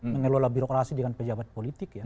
mengelola birokrasi dengan pejabat politik ya